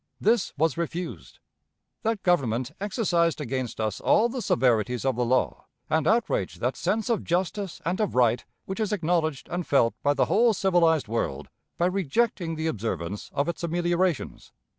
This was refused. That Government exercised against us all the severities of the law, and outraged that sense of justice and of right which is acknowledged and felt by the whole civilized world by rejecting the observance of its ameliorations.